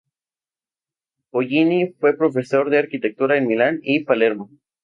Pollini fue profesor de arquitectura en Milán y Palermo.